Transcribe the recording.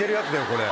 これ。